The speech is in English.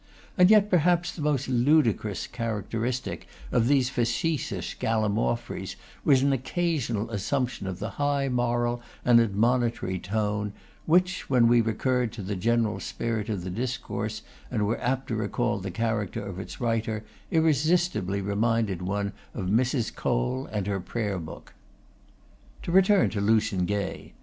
And yet, perhaps, the most ludicrous characteristic of these facetious gallimaufreys was an occasional assumption of the high moral and admonitory tone, which when we recurred to the general spirit of the discourse, and were apt to recall the character of its writer, irresistibly reminded one of Mrs. Cole and her prayer book. To return to Lucian Gay.